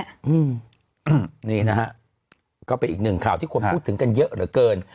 อืมนี่นะฮะก็เป็นอีกหนึ่งข่าวที่คนพูดถึงกันเยอะเหลือเกิน